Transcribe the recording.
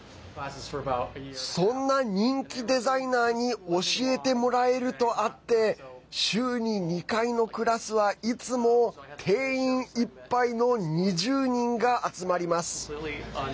そんな人気デザイナーに教えてもらえるとあって週に２回のクラスは、いつも定員いっぱいの２０人が集まります。